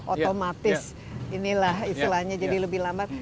otomatis inilah istilahnya jadi lebih lambat